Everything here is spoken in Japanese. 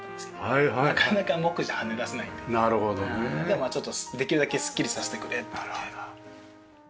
まあちょっとできるだけスッキリさせてくれって言って。